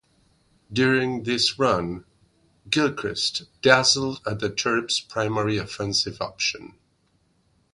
During this run, Gilchrist dazzled as the Terps' primary offensive option.